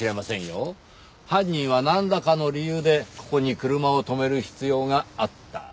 犯人はなんらかの理由でここに車を止める必要があった。